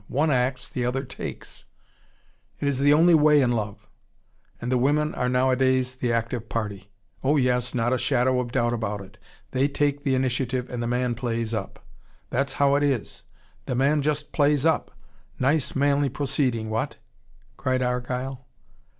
One acts, the other takes. It is the only way in love And the women are nowadays the active party. Oh, yes, not a shadow of doubt about it. They take the initiative, and the man plays up. That's how it is. The man just plays up. Nice manly proceeding, what!" cried Argyle.